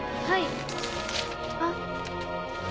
はい。